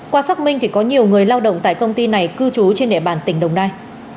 qua xác minh thì có nhiều người lao động tại công ty này cư trú trên địa bàn tỉnh đồng nai